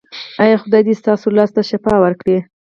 ایا خدای دې ستاسو لاس ته شفا ورکړي؟